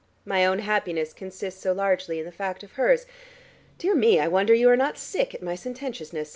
My own happiness consists so largely in the fact of hers. Dear me, I wonder you are not sick at my sententiousness.